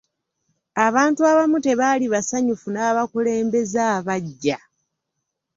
Abantu abamu tebaali basanyufu n'abakulembeze abaggya.